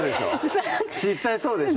実際そうでしょ